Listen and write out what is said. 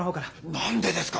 何でですか！